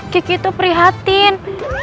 kiki tuh prihatin